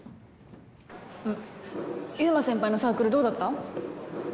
優馬先輩のサークルどうだった？